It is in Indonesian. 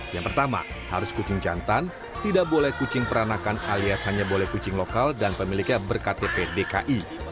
yang pertama harus kucing jantan tidak boleh kucing peranakan alias hanya boleh kucing lokal dan pemiliknya berktp dki